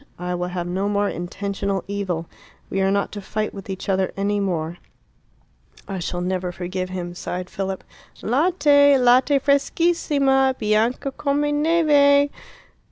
I will have no more intentional evil. We are not to fight with each other any more." "I shall never forgive him," sighed Philip. "Latte! latte freschissima! bianca come neve!"